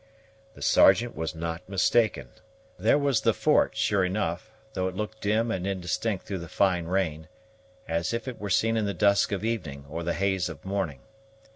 The Sergeant was not mistaken. There was the fort, sure enough, though it looked dim and indistinct through the fine rain, as if it were seen in the dusk of evening or the haze of morning.